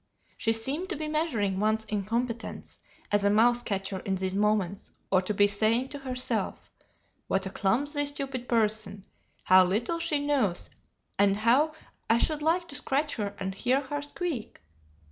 She seemed to be measuring one's incompetence as a mouse catcher in these moments, or to be saying to herself, 'What a clumsy, stupid person; how little she knows, and how I should like to scratch her and hear her squeak.'